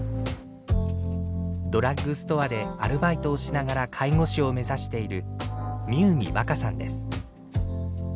ドラッグストアでアルバイトをしながら介護士を目指している深海若さんです。